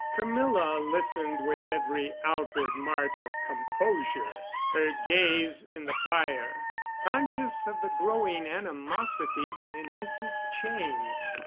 Camilla listened with every outward mark of composure—her gaze in the fire—conscious of the growing animosity in Mrs. Cheyne.